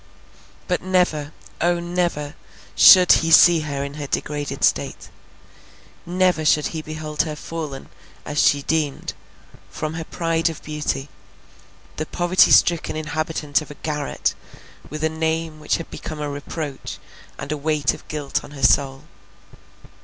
But never, O, never, should he see her in her degraded state. Never should he behold her fallen, as she deemed, from her pride of beauty, the poverty stricken inhabitant of a garret, with a name which had become a reproach, and a weight of guilt on her soul.